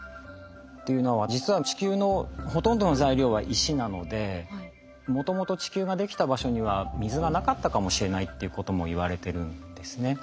というのは実は地球のほとんどの材料は石なのでもともと地球が出来た場所には水がなかったかもしれないっていうこともいわれてるんですね。